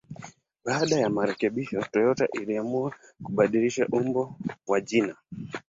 Baada ya marekebisho, Toyota iliamua kubadilisha ubao wa jina.